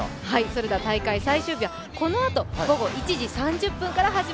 それでは大会最終日はこのあと午後１時３０分からです。